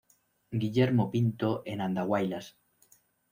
Guillermo Pinto en Andahuaylas.